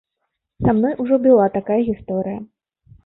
Са мной ужо была такая гісторыя.